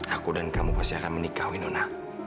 aku dan kamu pasti akan menikah winnona